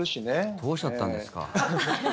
どうしちゃったんですか。